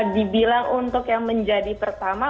dibilang untuk yang menjadi pertama